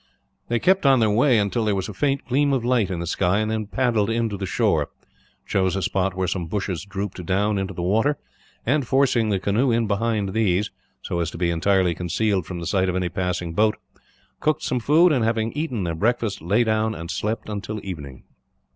They kept on their way until there was a faint gleam of light in the sky; and then paddled into the shore, chose a spot where some bushes drooped down into the water and, forcing the canoe in behind these, so as to be entirely concealed from the sight of any passing boat, cooked some food and, having eaten their breakfast, lay down and slept until evening.